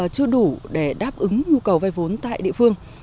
chưa đủ để đáp ứng nhu cầu vay vốn tại địa phương